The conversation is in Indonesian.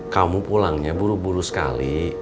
kamu pulangnya buru buru sekali